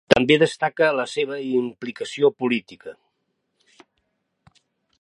També destaca la seva implicació política.